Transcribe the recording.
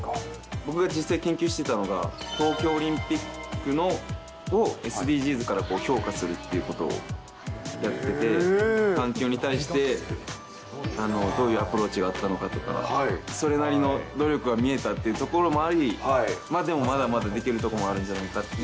僕が実際研究してたのが、東京オリンピックのＳＤＧｓから評価するっていうことをやってて、環境に対して、どういうアプローチがあったのかとか、それなりの努力が見えたというところもあり、でもまだまだできるところもあるんじゃないかっていう。